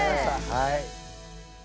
はい。